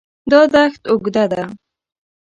دا دښت اوږده ده.